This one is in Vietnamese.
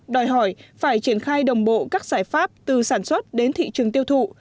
đòi hỏi phải triển khai đồng bộ các giải pháp từ sản xuất đến thị trường tiêu thụ